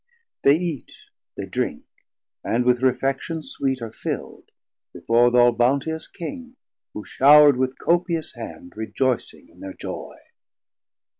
They eat, they drink, and with refection sweet Are fill'd, before th' all bounteous King, who showrd With copious hand, rejoycing in thir joy.